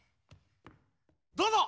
どうぞ！